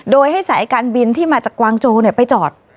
โดยให้สายการบินที่มาจากกวางโจไปจอด